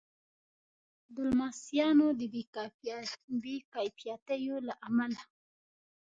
د لمسیانو د بې کفایتیو له امله.